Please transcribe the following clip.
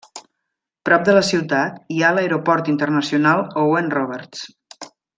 Prop de la ciutat hi ha l'Aeroport Internacional Owen Roberts.